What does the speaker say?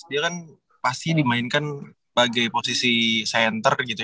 dia kan pasti dimainkan bagai posisi center gitu